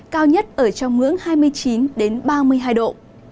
cao nhất ở trong ngưỡng hai mươi chín ba mươi hai độ